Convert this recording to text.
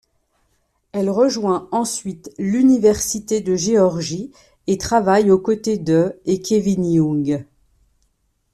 Elle rejoint ensuite l’Université de Géorgie et travaille aux côtés de et Kevin Young.